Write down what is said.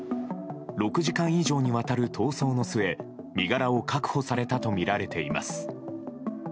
６時間以上にわたる逃走の末身柄を確保されたとみられています。